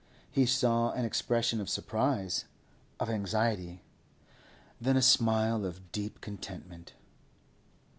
He saw an expression of surprise, of anxiety, then a smile of deep contentment.